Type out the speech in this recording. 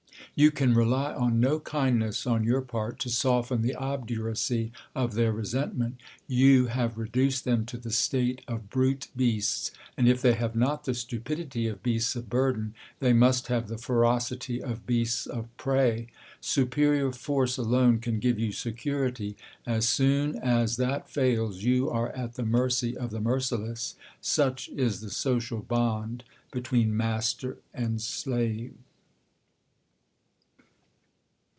You can rely on no kindness on your part, to soften the obduracy of their resentment. Your have reduced them to the state of brute beasts ; and if they have not the stupidity of beasts of burden , they must have the ferocity of beasts of prey. Superior force alone can give you security. As soon as that fails, you are at the mercy of the merciless. Such is the social bond between master and slave